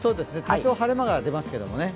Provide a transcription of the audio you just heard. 晴れ間は出ますけどね。